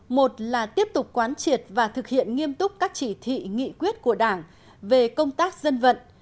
một là tiếp tục quán triệt và thực hiện nghiêm túc các chỉ thị nghị quyết của đảng về công tác dân vận